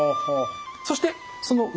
そしてその上。